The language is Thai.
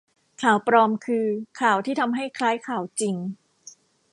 ข่าวปลอมคือข่าวที่ทำให้คล้ายข่าวจริง